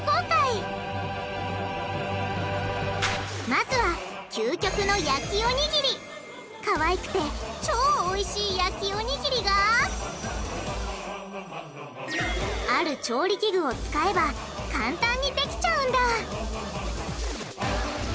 まずはかわいくて超おいしい焼きおにぎりがある調理器具を使えば簡単にできちゃうんだ！